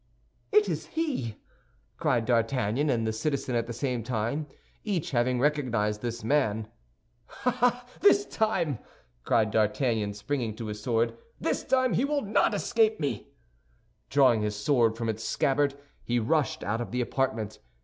"It is he!" cried D'Artagnan and the citizen at the same time, each having recognized his man. "Ah, this time," cried D'Artagnan, springing to his sword, "this time he will not escape me!" Drawing his sword from its scabbard, he rushed out of the apartment.